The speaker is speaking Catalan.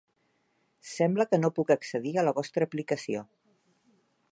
Sembla que no puc accedir a la vostra aplicació.